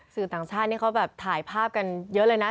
สื่อต่างชาตินี่เขาแบบถ่ายภาพกันเยอะเลยนะ